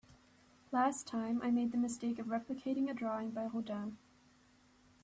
Last time, I made the mistake of replicating a drawing by Rodin.